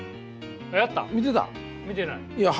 やったん？